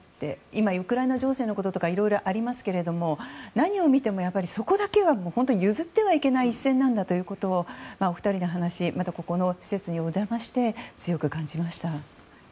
今、ウクライナ情勢のこととかいろいろありますが何を見てもやっぱりそこだけは譲ってはいけない一線なんだということをお二人の話、またここの施設にお邪魔して強く感じました。